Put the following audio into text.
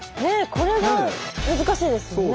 これが難しいですよね。